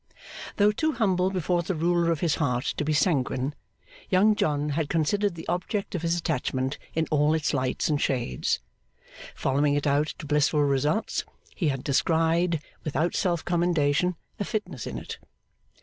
Though too humble before the ruler of his heart to be sanguine, Young John had considered the object of his attachment in all its lights and shades. Following it out to blissful results, he had descried, without self commendation, a fitness in it.